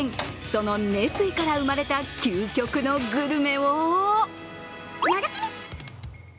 その熱意から生まれた究極のグルメをのぞき見。